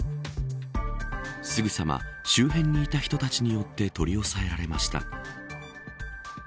すぐさま周辺にいた人たちによって取り押さえられました。